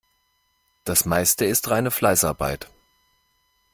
Das Meiste ist reine Fleißarbeit.